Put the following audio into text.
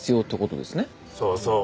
そうそう。